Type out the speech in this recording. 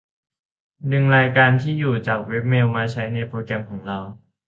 ดึงรายการที่อยู่ จากเว็บเมล มาใช้ในโปรแกรมของเรา